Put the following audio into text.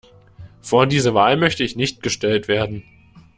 Vor diese Wahl möchte ich nicht gestellt werden.